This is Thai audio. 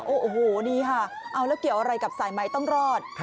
โอ้โหนี่ค่ะเอาแล้วเกี่ยวอะไรกับสายไหมต้องรอด